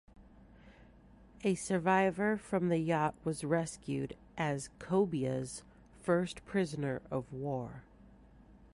A survivor from the yacht was rescued as "Cobia"'s first prisoner of war.